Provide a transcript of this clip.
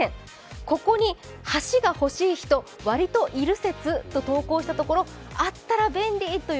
ここに橋が欲しい人、わりといる説と投稿したところあったら便利という